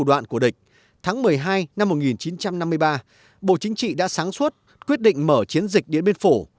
đoạn của địch tháng một mươi hai năm một nghìn chín trăm năm mươi ba bộ chính trị đã sáng suốt quyết định mở chiến dịch điện biên phủ